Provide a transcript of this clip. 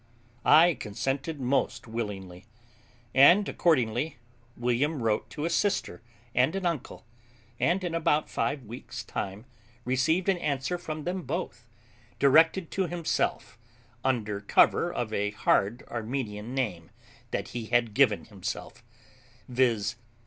I consented most willingly; and accordingly William wrote to a sister and an uncle, and in about five weeks' time received an answer from them both, directed to himself, under cover of a hard Armenian name that he had given himself, viz.